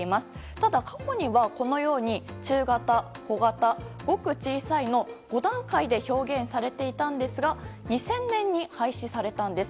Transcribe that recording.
ただ過去にはこのようにごく小さい、小型、中型の５段階で表現されていたんですが２０００年に廃止されたんです。